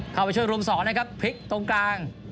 เข้าไปช่วยรวมสอนนะครับพลิกตรงกลาง